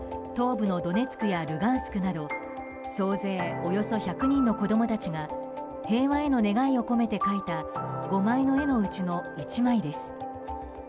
東部のドネツクやルガンスクなど総勢およそ１００人の子供たちが平和への願いを込めて描いた５枚の絵のうちの１枚です。